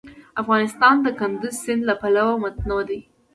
افغانستان د کندز سیند له پلوه متنوع دی.